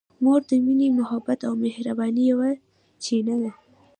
مور د مینې، محبت او مهربانۍ یوه چینه ده.